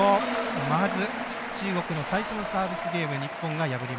まず中国の最初のサービスゲーム